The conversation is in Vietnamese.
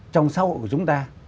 trong xã hội của chúng ta